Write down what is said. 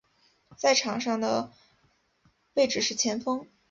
在场上的位置是前锋。